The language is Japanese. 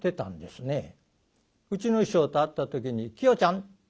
うちの師匠と会った時に「きよちゃん」。